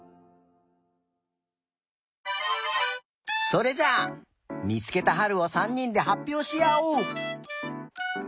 それじゃあみつけたはるを３にんではっぴょうしあおう。